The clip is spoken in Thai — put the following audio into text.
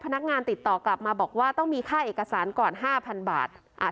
พนักงานติดต่อกลับมาบอกว่าต้องมีค่าเอกสารก่อน๕๐๐บาท